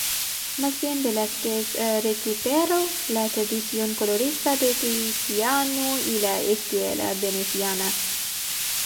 Más bien, Velázquez recuperó la tradición colorista de Tiziano y la escuela veneciana.